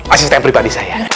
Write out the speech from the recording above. asisten pribadi saya